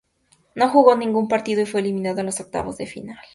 No jugó ningún partido, y fue eliminada en los octavos de final.